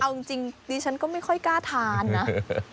เอาจริงดิฉันก็ไม่ค่อยกล้าทานนะ